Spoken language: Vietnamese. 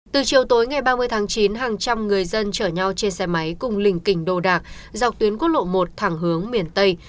từ chiều tối ngày ba mươi tháng chín hàng trăm người dân chở nhau trên xe máy cùng lình kỉnh đồ đạc dọc tuyến quốc lộ một thẳng hướng miền tây